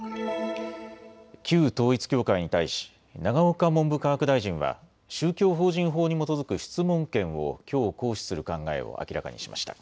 旧統一教会に対し永岡文部科学大臣は宗教法人法に基づく質問権をきょう行使する考えを明らかにしました。